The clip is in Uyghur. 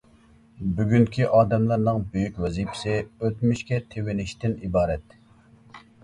بۈگۈنكى ئادەملەرنىڭ بۈيۈك ۋەزىپىسى ئۆتمۈشكە تېۋىنىشتىن ئىبارەت.